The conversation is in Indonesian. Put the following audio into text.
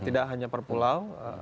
tidak hanya per pulau